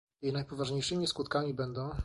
Jej najpoważniejszymi skutkami będą